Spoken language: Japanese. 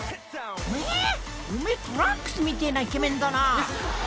おめぇトランクスみてえなイケメンだな。